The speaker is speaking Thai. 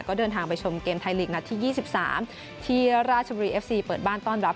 ก็เดินทางไปชมเกมไทยลีกนัดที่๒๓ที่ราชบุรีเอฟซีเปิดบ้านต้อนรับ